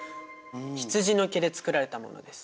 羊の毛で作られたものです。